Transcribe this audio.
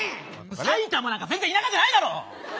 埼玉なんか全然田舎じゃないだろ！